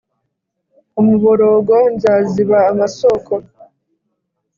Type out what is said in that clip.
umuborogo Nzaziba amasoko